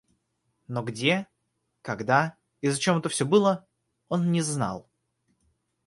Но где, когда и зачем это все было, он не знал.